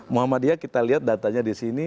muhammadiyah kita lihat datanya di sini